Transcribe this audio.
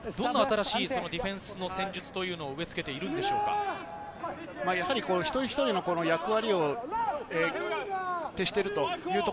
どんな新しいディフェンスの戦術というのを植え付けているんでしょうか？